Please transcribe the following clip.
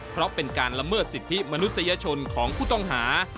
เพราะเป็นการละเมิดสิทธิมนุษยชนของผู้ต้องหา